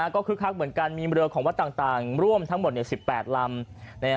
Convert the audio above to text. ก็คึกคักเหมือนกันมีเรือของวัดต่างร่วมทั้งหมด๑๘ลำ